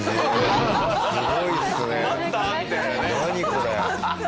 これ。